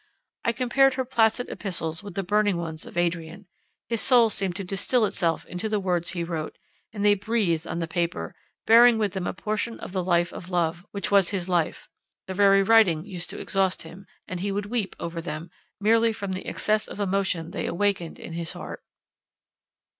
I compared her placid epistles with the burning ones of Adrian. His soul seemed to distil itself into the words he wrote; and they breathed on the paper, bearing with them a portion of the life of love, which was his life. The very writing used to exhaust him; and he would weep over them, merely from the excess of emotion they awakened in his heart.